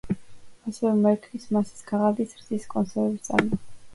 ასევე მერქნის მასის, ქაღალდის, რძის კონსერვების წარმოება.